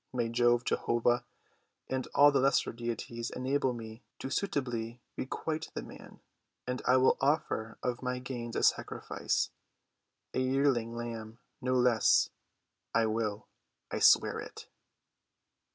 May, Jove, Jehovah, and all lesser deities enable me to suitably requite the man, and I will offer of my gains a sacrifice—a yearling lamb, no less. I will, I swear it."